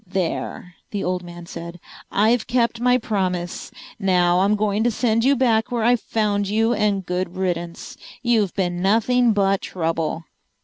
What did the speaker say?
"There!" the old man said. "I've kept my promise. Now I'm going to send you back where I found you, and good riddance. You've been nothing but trouble."